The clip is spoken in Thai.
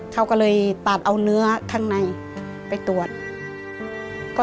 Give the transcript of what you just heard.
เขาก็เลยตัดเอาเนื้อข้างในไปตรวจ